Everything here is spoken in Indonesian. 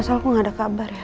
masalah kok gak ada kabar ya